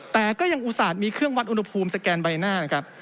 แต่ก็ยังอุตส่าห์มีเครื่องวัดอุณหภูมิสแกนใบหน้านะครับ